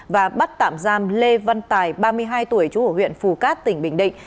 và bắt tạm giam lê văn tài ba mươi hai tuổi chủ hội huyện phù cát tỉnh bình định